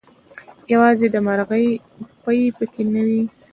يوازې دمرغۍ پۍ پکې نه وې